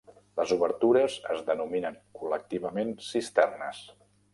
Les obertures es denominen col·lectivament cisternes.